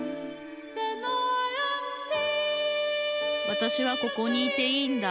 わたしはここにいていいんだ